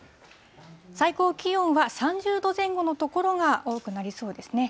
最高気温は３０度前後の所が多くなりそうですね。